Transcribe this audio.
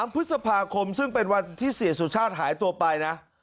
พฤษภาคมซึ่งเป็นวันที่เสียสุชาติหายตัวไปนะ